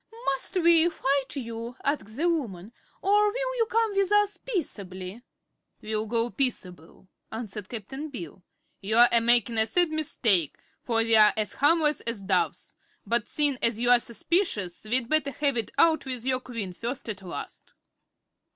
"Must we fight you?" asked the woman, "or will you come with us peaceably?" "We'll go peaceable," answered Cap'n Bill. "You're a makin' a sad mistake, for we're as harmless as doves; but seein' as you're suspicious we'd better have it out with your Queen first as last."